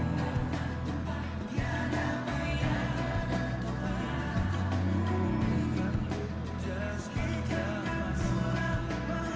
dan kepala cu empat a angkatan bersenjata singapura